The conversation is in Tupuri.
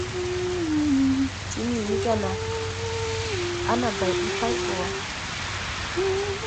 Timini: « Aã, naa bay ɓi pay ɓɔ wa. ».